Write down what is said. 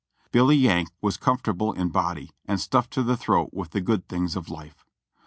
Billy Yank was comfortable in body and stuffed to the throat with the good things of life.